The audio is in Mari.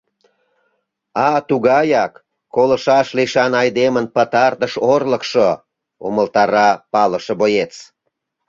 А тугаяк: колышаш лишан айдемын пытартыш орлыкшо, — умылтара «палыше» боец.